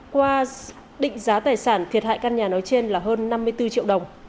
qua định giá tài sản thiệt hại căn nhà nói trên là hơn năm mươi bốn triệu đồng